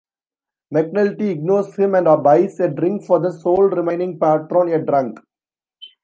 McNulty ignores him and buys a drink for the sole remaining patron, a drunk.